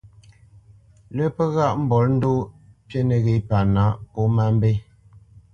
Lâ pə́ ghaʼ mbolendoʼ pí nəghé pâ nǎʼ pó má mbé.